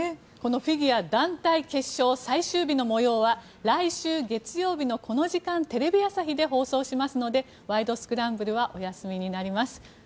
フィギュア団体決勝最終日の模様は来週月曜日のこの時間テレビ朝日で放送しますので「ワイド！スクランブル」はお休みになります。